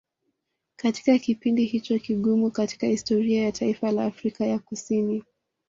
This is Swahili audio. katika kipindi hicho kigumu katika historia ya taifa la Afrika ya kusini